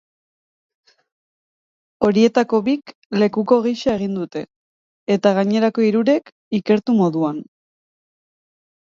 Horietako bik lekuko gisa egin dute, eta gainerako hirurek ikertu moduan.